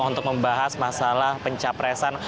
untuk membahas masalah pencapresan